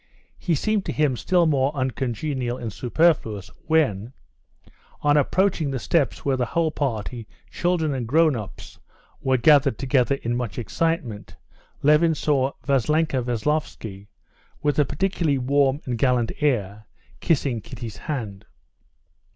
He seemed to him still more uncongenial and superfluous when, on approaching the steps where the whole party, children and grown up, were gathered together in much excitement, Levin saw Vassenka Veslovsky, with a particularly warm and gallant air, kissing Kitty's hand.